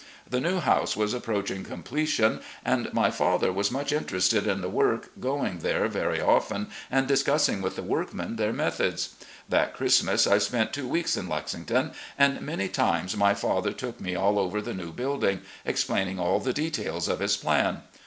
'The new house was approaching completion, and my father was much interested in the work, going there very often and discussing with the workmen their methods. That Christmas I spent two weeks in Lexington, and MRS. R. E. LEE 333 many times my father took me all over the new building, explaining all the details of his plan.